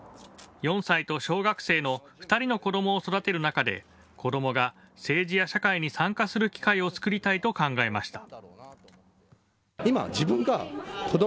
４歳と小学生の２人の子どもを育てる中で、子どもが政治や社会に参加する機会を作りたいと考えました。